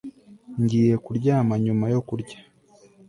nagiye kuryama nyuma yo kurya